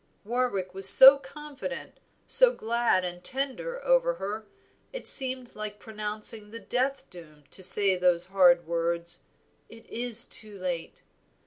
Warwick was so confident, so glad and tender over her, it seemed like pronouncing the death doom to say those hard words, "It is too late."